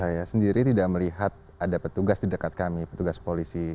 saya sendiri tidak melihat ada petugas di dekat kami petugas polisi